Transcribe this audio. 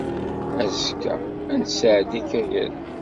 Azekka, ad nesɛeddi akayad.